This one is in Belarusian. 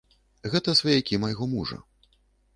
Гэта сваякі майго мужа.